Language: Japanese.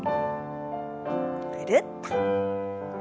ぐるっと。